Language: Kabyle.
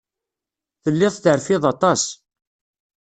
Telliḍ terfiḍ aṭas.